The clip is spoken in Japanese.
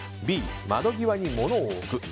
Ｂ、窓際に物を置く。